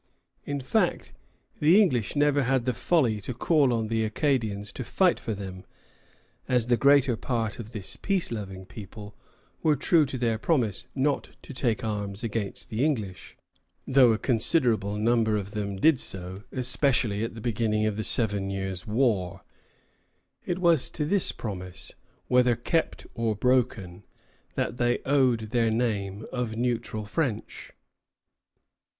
In fact, the English never had the folly to call on the Acadians to fight for them; and the greater part of this peace loving people were true to their promise not to take arms against the English, though a considerable number of them did so, especially at the beginning of the Seven Years' War. It was to this promise, whether kept or broken, that they owed their name of Neutral French.